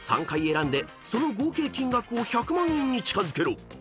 ［３回選んでその合計金額を１００万円に近づけろ］